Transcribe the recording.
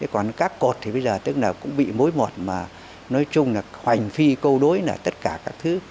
còn các cột thì bây giờ tức là cũng bị mối mọt mà nói chung là hoành phi câu đối là tất cả các thứ